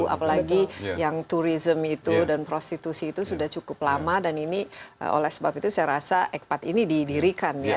apalagi yang turisme itu dan prostitusi itu sudah cukup lama dan ini oleh sebab itu saya rasa ekpat ini didirikan ya